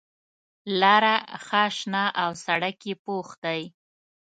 لاره ښه شنه او سړک یې پوخ دی.